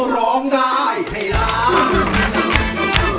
ร้องได้ให้ล้าน